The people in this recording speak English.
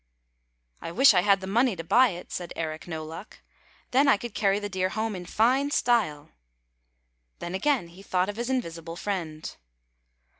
" I wish I had the money to buy it," said Eric No Luck, " then I could carry the deer home in fine style." Then again he thought of his invisible friend.